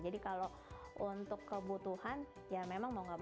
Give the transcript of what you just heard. jadi kalau untuk kebutuhan ya memang mau ngelewatin